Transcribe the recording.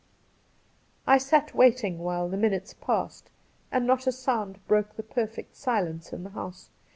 I sat waiting while the minutes passed, and not a sound broke the perfect silence in the house.